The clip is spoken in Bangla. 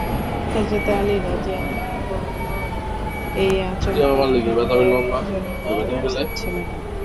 হযরত আলী রাযিয়াল্লাহু আনহু এই আচমকা হামলার জন্য মোটেও প্রস্তুত ছিলেন না।